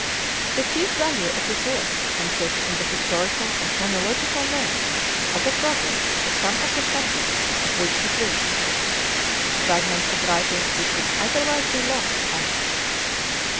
The chief value of his work consists in the historical and chronological notes of the progress of some of the subjects of which he treats fragments of writings which would otherwise be lost to us.